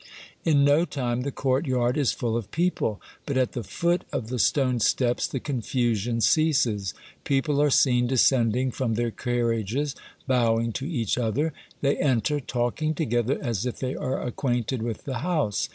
In no time the courtyard is full of people. But at the foot of the stone steps the confusion ceases. People are seen descending from their carriages, bowing to each other ; they enter, talking together as if they are acquainted with the house.